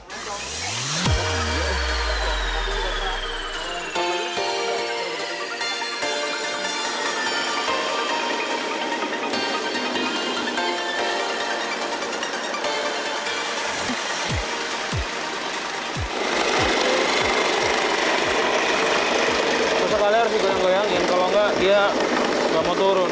khusus tahu goreng doang kalau nggak dia nggak mau turun